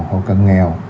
hồ cân nghèo